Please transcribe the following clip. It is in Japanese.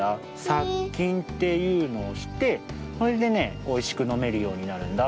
さっきんっていうのをしてそれでねおいしくのめるようになるんだ。